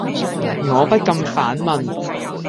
我不禁反問